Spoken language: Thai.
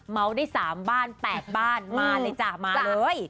ได้๓บ้าน๘บ้านมาเลยจ้ะมาเลย